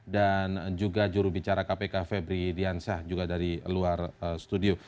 dan juga jurubicara kpk febri diansyah juga dari luar studio